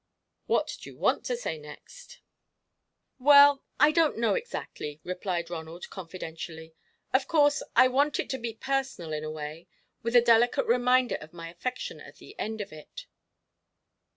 "What do you want to say next?" "Well, I don't know, exactly," replied Ronald, confidentially. "Of course, I want it to be personal in a way, with a delicate reminder of my affection at the end of it."